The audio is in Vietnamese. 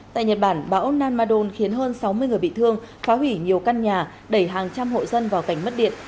tại nhật bản bão nanmadon khiến hơn sáu mươi người bị thương phá hủy nhiều căn nhà đẩy hàng trăm hộ dân vào cảnh mất điện